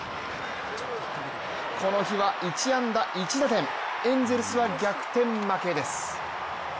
この日は１安打１打点、エンゼルスは逆転負けです。